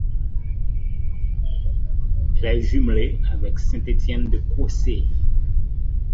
Elle est jumelée avec Saint-Etienne-de-Crossey.